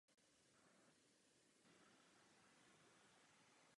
Rostliny kvetou od poloviny června do první poloviny srpna.